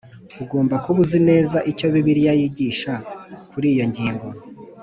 Ugomba kuba uzi neza icyo bibiliya yigisha kuri iyo ngingo